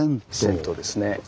銭湯ですね。